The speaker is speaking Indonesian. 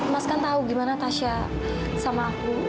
mas kan tahu gimana tasya sama aku